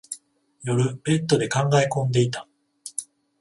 夜、ベッドで考え込んでいた。